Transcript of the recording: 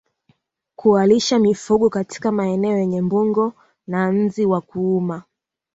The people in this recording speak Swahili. Kuwalisha mifugo katika maeneo yenye mbung'o na nzi wa kuuma